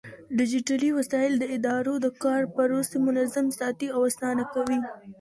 ډيجيټلي وسايل د ادارو د کار پروسې منظم ساتي او آسانه کوي.